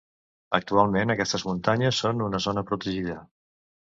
Actualment aquestes muntanyes són una zona protegida.